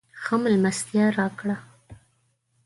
ښه مېلمستیا راکړه.